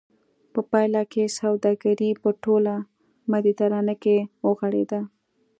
په پایله کې سوداګري په ټوله مدیترانه کې وغوړېده